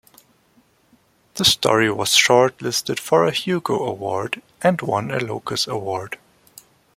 The story was short-listed for a Hugo Award, and won a Locus Award.